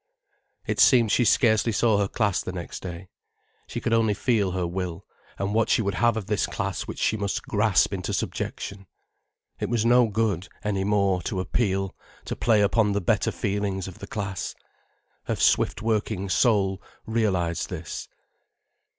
It seemed she scarcely saw her class the next day. She could only feel her will, and what she would have of this class which she must grasp into subjection. It was no good, any more, to appeal, to play upon the better feelings of the class. Her swift working soul realized this.